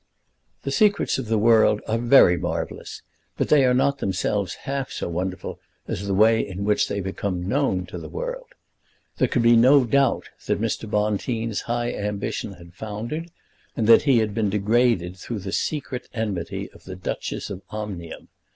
The secrets of the world are very marvellous, but they are not themselves half so wonderful as the way in which they become known to the world. There could be no doubt that Mr. Bonteen's high ambition had foundered, and that he had been degraded through the secret enmity of the Duchess of Omnium.